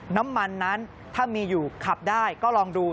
น้ำมันนั้นถ้ามีอยู่ขับได้ก็ลองดู